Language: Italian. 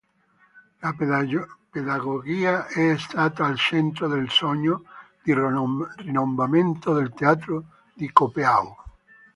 La pedagogia è stata al centro del sogno di rinnovamento del teatro di Copeau.